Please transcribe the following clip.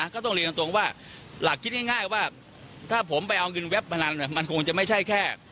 ก็ต้องเรียนตรงว่าหลักคิดง่ายว่าถ้าผมไปเอาเงินเว็บพนันมันคงจะไม่ใช่แค่